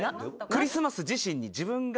クリスマス自身に。